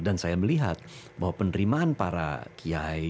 dan saya melihat bahwa penerimaan para kiai